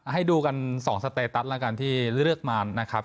ให้ดูกัน๒สเตตัสแล้วกันที่เลือกมานะครับ